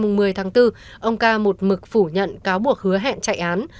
ngày một mươi tháng bốn ông ca một mực phủ nhận cáo buộc hứa hẹn chạy án